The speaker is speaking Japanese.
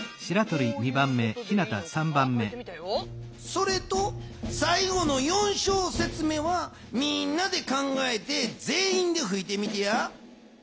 それと最後の４しょうせつ目はみんなで考えてぜんいんでふいてみてや。